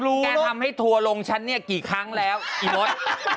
แกทำให้ทัวร์ลงฉันเนี่ยกี่ครั้งแล้วอีมด